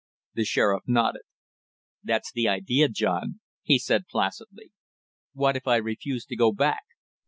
The sheriff nodded. "That's the idea, John," he said placidly. "What if I refuse to go back?"